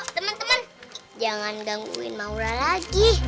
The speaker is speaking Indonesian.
teman teman jangan gangguin maula lagi